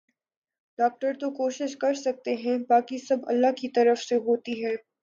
doctor تو کوشش کر سکتے ہیں باقی سب اللہ کی طرف سے ھوتی ہے